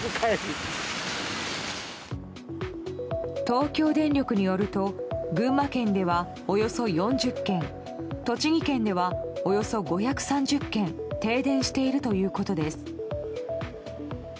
東京電力によると群馬県ではおよそ４０軒栃木県ではおよそ５３０軒停電しているということです。